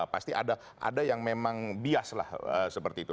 pasti ada yang memang biaslah seperti itu